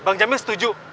bang jamil setuju